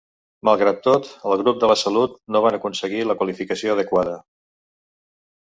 Malgrat tot, el grup de la Salut no van aconseguir la qualificació adequada.